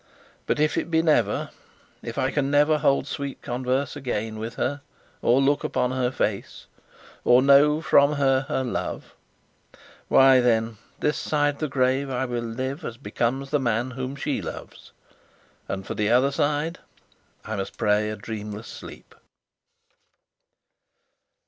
But if it be never if I can never hold sweet converse again with her, or look upon her face, or know from her her love; why, then, this side the grave, I will live as becomes the man whom she loves; and, for the other side, I must pray a dreamless sleep.